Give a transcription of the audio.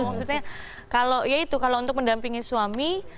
maksudnya kalau ya itu kalau untuk mendampingi suami